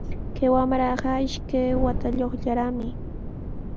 Kay wamraqa ishkay watayuqllaraqmi